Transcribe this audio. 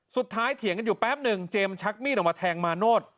เถียงกันอยู่แป๊บหนึ่งเจมส์ชักมีดออกมาแทงมาโนธ